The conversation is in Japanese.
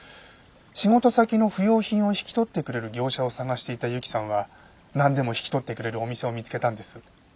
仕事先の不要品を引き取ってくれる業者を探していた由紀さんはなんでも引き取ってくれるお店を見つけたんです。